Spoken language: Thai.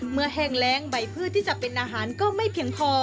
แห้งแรงใบพืชที่จะเป็นอาหารก็ไม่เพียงพอ